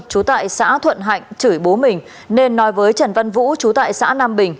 trú tại xã thuận hạnh chửi bố mình nên nói với trần văn vũ chú tại xã nam bình